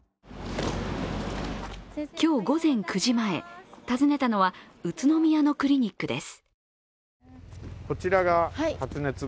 今日午前９時前、訪ねたのは宇都宮のクリニックです。